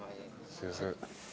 すいません。